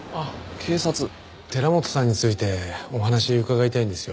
寺本さんについてお話伺いたいんですよ。